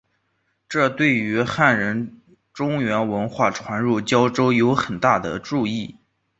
这对于汉人中原文化传入交州有很大的助益。